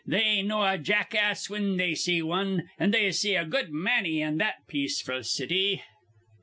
They know a jackass whin they see wan, an' they see a good manny in that peaceful city.